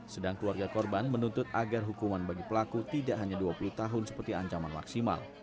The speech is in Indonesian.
sedang keluarga korban menuntut agar hukuman bagi pelaku tidak hanya dua puluh tahun seperti ancaman maksimal